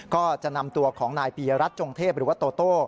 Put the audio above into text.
ก็จะนำตัวของนายปียรัฐจงเทพหรือว่าโตโต้